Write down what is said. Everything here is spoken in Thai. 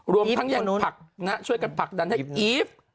รวมทั้งแรงผักช่วยกันพักดันเอีฟ